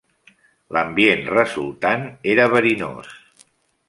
L'ambient resultant era verinós.